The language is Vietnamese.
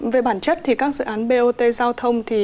về bản chất thì các dự án bot giao thông